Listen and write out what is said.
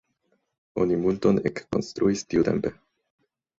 Oni multon ekkonstruis tiutempe.